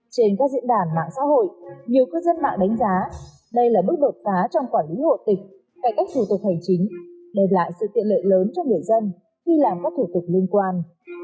trên các diễn đàn mạng xã hội nhiều cư dân mạng đánh giá đây là bước đột phá trong quản lý hồ tịch cải cách thủ tục hành chính đem lại sự tiện lợi lớn cho người dân khi làm các thủ tục liên quan